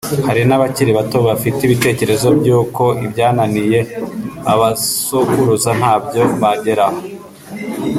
Hari n’abakiri bato bafite ibitekerezo by’uko ibyananiye abasokuruza ntabyo bageraho